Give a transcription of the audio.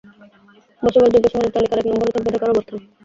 বসবাসযোগ্য শহরের তালিকার এক নম্বরে থাকবে ঢাকার অবস্থান।